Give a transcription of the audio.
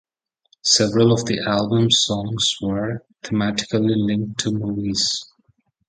Several of the album's songs were thematically linked to movies.